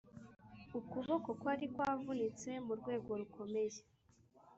ukuboko kwari kwavunitse mu rwego rukomeye